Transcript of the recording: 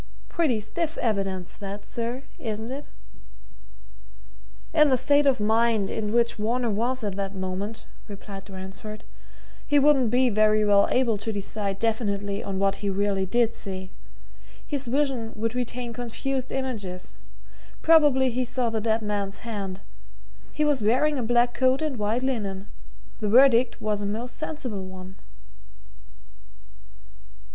Pretty stiff evidence that, sir, isn't it?" "In the state of mind in which Varner was at that moment," replied Ransford, "he wouldn't be very well able to decide definitely on what he really did see. His vision would retain confused images. Probably he saw the dead man's hand he was wearing a black coat and white linen. The verdict was a most sensible one."